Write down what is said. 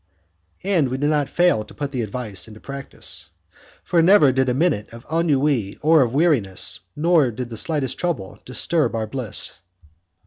And we did not fail to put the advice into practice, for never did a minute of ennui or of weariness, never did the slightest trouble, disturb our bliss.